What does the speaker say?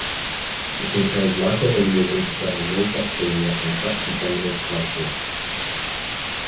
It contains microorganisms that remove bacteria and trap contaminant particles.